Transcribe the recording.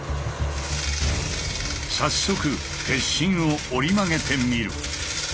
早速鉄心を折り曲げてみる。